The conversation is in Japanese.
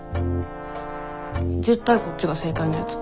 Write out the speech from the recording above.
絶対こっちが正解のやつ。